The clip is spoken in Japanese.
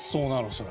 それ。